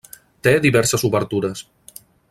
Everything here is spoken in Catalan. Té diverses obertures.